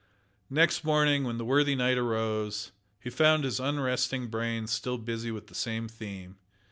Next morning, when the worthy knight arose, he found his unrested brain still busy with the same theme.